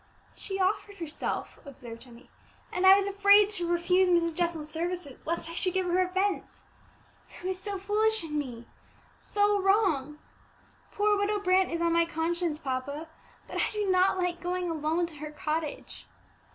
"She offered herself," observed Emmie, "and I was afraid to refuse Mrs. Jessel's services, lest I should give her offence. It was so foolish in me so wrong! Poor Widow Brant is on my conscience, papa; but I do not like going alone to her cottage."